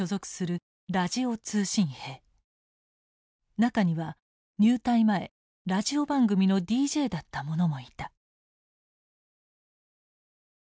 中には入隊前ラジオ番組のＤＪだった者もいた。